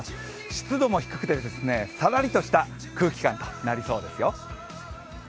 湿度も低くてさらりとした空気感となりそうですよ。